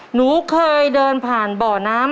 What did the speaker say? หนูเคยเดินผ่านบ่อน้ำ